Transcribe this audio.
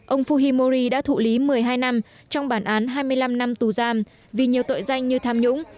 ông fuhimori đã thụ lý một mươi hai năm trong bản án hai mươi năm năm tù giam vì nhiều tội danh như tham nhũng